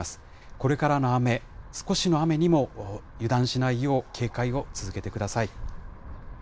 これからの雨、少しの雨にも油断しないよう、警戒を続けてください。